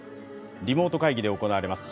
リモート会議で行われます。